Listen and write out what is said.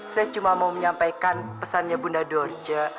saya cuma mau menyampaikan pesannya bunda dorce